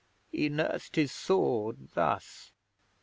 He nursed his sword thus.